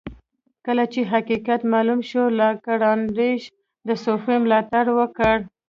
کله چې حقیقت معلوم شو لاګرانژ د صوفي ملاتړ وکړ.